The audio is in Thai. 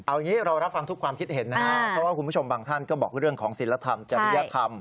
เอางี้เรารับฟังทุกความคิดเห็นนะครับเพราะว่าคุณผู้ชมบางท่านก็บอกเรื่องของศิลธรรมจริยธรรม